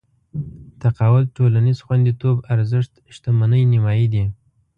تقاعد ټولنيز خونديتوب ارزښت شتمنۍ نيمايي دي.